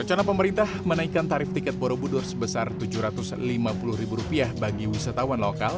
wacana pemerintah menaikkan tarif tiket borobudur sebesar tujuh ratus lima puluh ribu rupiah bagi wisatawan lokal